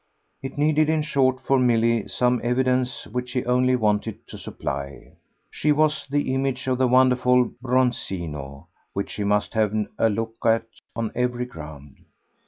It needed in short for Milly some evidence which he only wanted to supply. She was the image of the wonderful Bronzino, which she must have a look at on every ground.